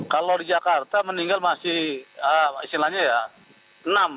kalau di jakarta meninggal masih istilahnya ya